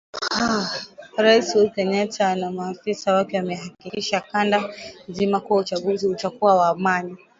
Rais Uhuru Kenyatta na maafisa wake wameihakikishia kanda nzima kuwa uchaguzi utakuwa wa amani.